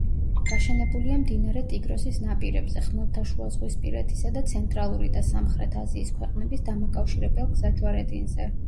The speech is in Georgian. გაშენებულია მდინარე ტიგროსის ნაპირებზე, ხმელთაშუაზღვისპირეთისა და ცენტრალური და სამხრეთი აზიის ქვეყნების დამაკავშირებელ გზაჯვარედინზე.